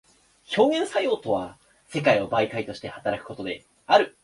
表現作用とは世界を媒介として働くことである。